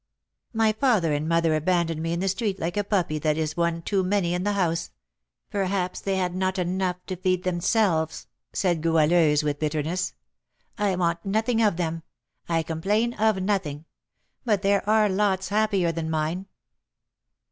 "My father and mother abandoned me in the street like a puppy that is one too many in the house; perhaps they had not enough to feed themselves," said Goualeuse, with bitterness. "I want nothing of them, I complain of nothing, but there are lots happier than mine."